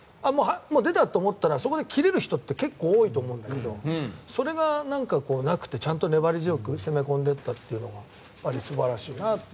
もう出たと思ったらそこで切れる人って結構多いと思うんだけどそれがなくてちゃんと粘り強く攻め込んでいったのはやはり素晴らしいなと。